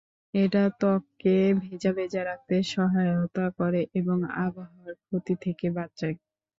এটা ত্বককে ভেজা ভেজা রাখতে সহায়তা করে এবং আবহাওয়ার ক্ষতি থেকে বাঁচায়।